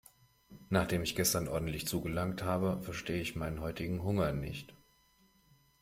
Nachdem ich gestern ordentlich zugelangt habe, verstehe ich meinen heutigen Hunger nicht.